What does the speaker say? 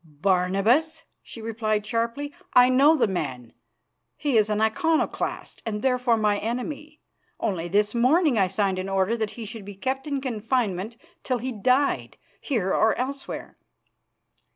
"Barnabas," she replied sharply. "I know the man. He is an Iconoclast, and therefore my enemy. Only this morning I signed an order that he should be kept in confinement till he died, here or elsewhere.